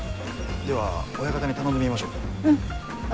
では親方に頼んでみましょうか？